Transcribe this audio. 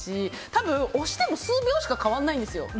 多分、押しても数秒しか変わらないんですよ。